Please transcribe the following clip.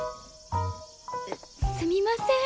すみません。